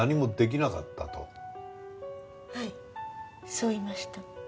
はいそう言いました。